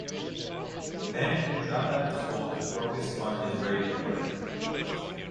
Then he dropped out of school to focus on his radio work.